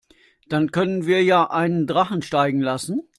Dann können wir ja einen Drachen steigen lassen.